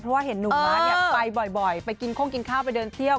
เพราะว่าเห็นหนุ่มม้าเนี่ยไปบ่อยไปกินโค้งกินข้าวไปเดินเที่ยว